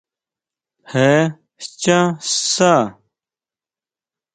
Jé schá sá?